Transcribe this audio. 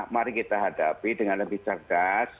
mari kita hadapi dengan lebih cerdas